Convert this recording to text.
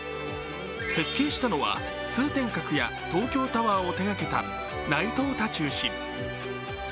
設計したのは通天閣や東京タワーを手がけた内藤多仲氏。